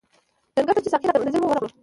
لنګر ته چې ساقي راته منتظر وو ورغلو.